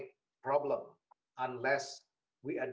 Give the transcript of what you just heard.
tanpa kita menjawab